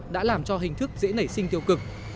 đã làm cho hình thức dễ nảy sinh tiêu cực